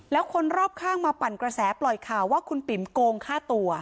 แล้วคนรอบข้างมาปั่นกระแสปล่อยข่าวว่าคุณปิ๋มโกงฆ่าตัว